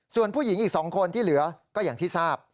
ส่วนผู้หญิงอีก๒คนที่เหลือก็อย่างที่ทราบ